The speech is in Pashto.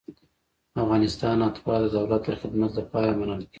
د افغانستان اتباع د دولت د خدمت لپاره منل کیږي.